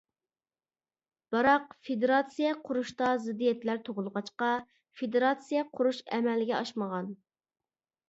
بىراق فېدېراتسىيە قۇرۇشتا زىددىيەتلەر تۇغۇلغاچقا، فېدېراتسىيە قۇرۇش ئەمەلگە ئاشمىغان.